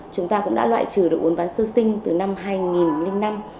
chúng ta cũng đã loại trừ được uốn ván sơ sinh từ năm hai nghìn năm